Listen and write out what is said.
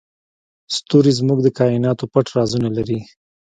ستوري زموږ د کایناتو پټ رازونه لري.